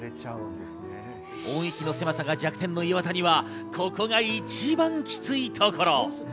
音域の狭さが弱点の岩田にはここが一番きついところ。